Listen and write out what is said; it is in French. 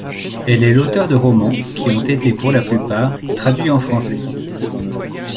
Elle est l'auteur de romans qui ont été pour la plupart traduits en français.